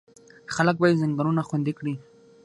خلک باید ځنګلونه خوندي کړي.